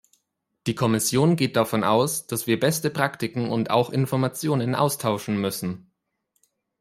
Die Kommission geht davon aus, dass wir beste Praktiken und auch Informationen austauschen müssen.